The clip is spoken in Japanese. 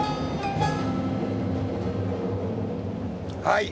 はい。